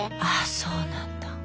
あそうなんだ。